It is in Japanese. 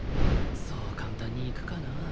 そう簡単にいくかな